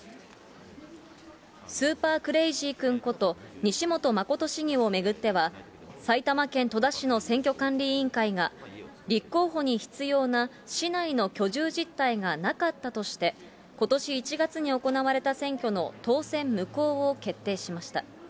スーパークレイジー君こと西本誠市議を巡っては、埼玉県戸田市の選挙管理委員会が、立候補に必要な市内の居住実態がなかったとして、ことし１月に行われた選挙の当選無効を決定しました。